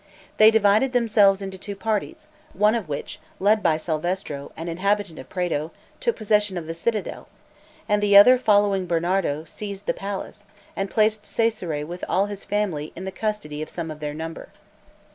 They divided themselves into two parties, one of which, led by Salvestro, an inhabitant of Prato, took possession of the citadel; the other following Bernardo, seized the palace, and placed Cesare with all his family in the custody of some of their number.